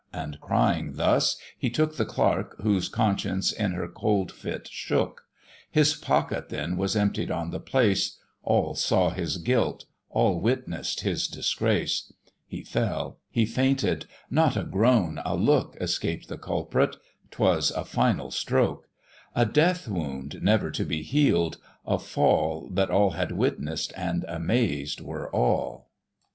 and saying this, he took The Clerk, whose conscience, in her cold fit, shook: His pocket then was emptied on the place; All saw his guilt; all witness'd his disgrace: He fell, he fainted, not a groan, a look, Escaped the culprit; 'twas a final stroke A death wound never to be heal'd a fall That all had witness'd, and amazed were all.